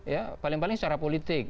ya paling paling secara politik